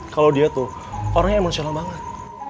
kalo dia tuh orangnya emosiol banget